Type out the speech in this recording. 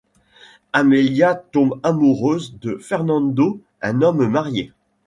Amelia tombe amoureuse de Fernando, un homme marié.